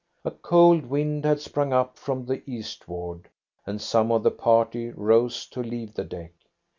A cold wind had sprung up from the eastward, and some of the party rose to leave the deck.